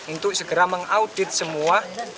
untuk segera mengaudit semua